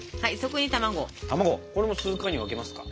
これも数回に分けますか？